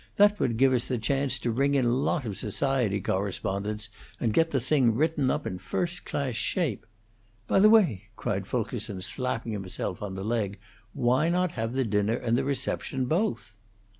That would give us the chance to ring in a lot of society correspondents and get the thing written up in first class shape. By the way!" cried Fulkerson, slapping himself on the leg, "why not have the dinner and the reception both?"